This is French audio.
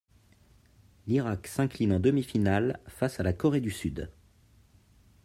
L'Irak s'incline en demi-finale face à la Corée du Sud.